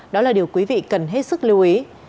đó là điều quý vị cần hết sức lưu ý